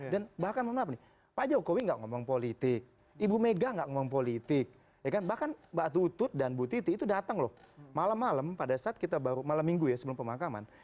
dan bahkan mohon maaf nih pak jokowi nggak ngomong politik ibu mega nggak ngomong politik ya kan bahkan mbak tutut dan bu titi itu datang loh malam malam pada saat kita baru malam minggu ya sebelum pemakaman